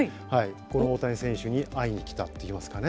この大谷選手に会いに来たといいますかね。